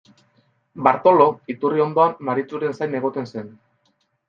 Bartolo iturri ondoan Maritxuren zain egoten zen.